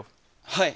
はい！